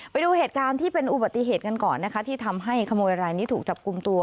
ไปดูเหตุการณ์ที่เป็นอุบัติเหตุกันก่อนนะคะที่ทำให้ขโมยรายนี้ถูกจับกลุ่มตัว